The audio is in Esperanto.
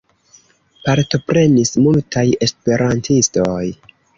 Partoprenis multaj esperantistoj.